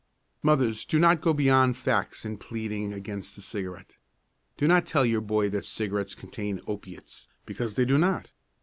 Mothers, do not go beyond facts in pleading against the cigarette. Do not tell your boy that cigarettes contain opiates, because they do not.